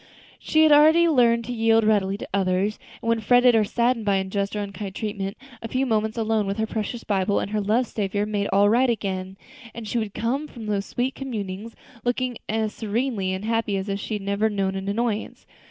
She had learned to yield readily to others, and when fretted or saddened by unjust or unkind treatment, a few moments alone with her precious Bible and her loved Saviour made all right again, and she would come from those sweet communings looking as serenely happy as if she had never known an annoyance.